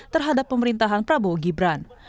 terhadap pemerintahan prabowo gibran